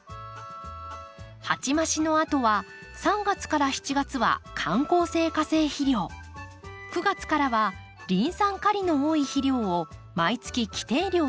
鉢増しのあとは３月から７月は緩効性化成肥料９月からはリン酸カリの多い肥料を毎月規定量やります。